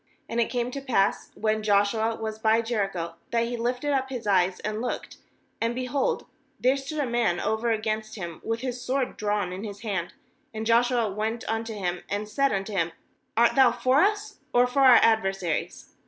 wAnd it came to pass, when Joshua was by Jericho, that he lifted up his eyes and looked, and, behold, there stood a man over against him with his sword drawn in his hand; and Joshua went unto him, and said unto him: 'Art thou for us, or for our ad versaries?'